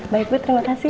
baik bu terima kasih